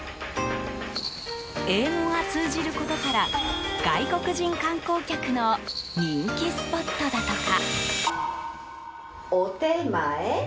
英語が通じることから外国人観光客の人気スポットだとか。